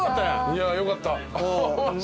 いやよかった。